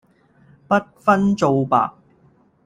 不分皂白